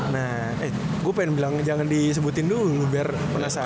nah eh gue pengen bilang jangan disebutin dulu biar penasaran